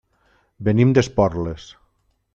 Venim d'Esporles.